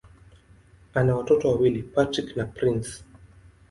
Ana watoto wawili: Patrick na Prince.